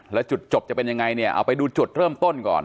แล้วจุดจบจะเป็นยังไงเนี่ยเอาไปดูจุดเริ่มต้นก่อน